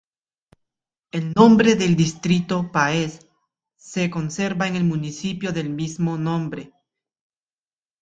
El nombre del distrito Páez se conserva en el municipio del mismo nombre.